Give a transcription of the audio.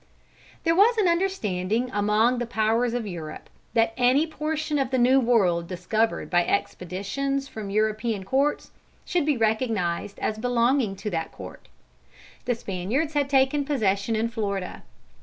_" There was an understanding among the powers of Europe, that any portion of the New World discovered by expeditions from European courts, should be recognised as belonging to that court. The Spaniards had taken possession in Florida.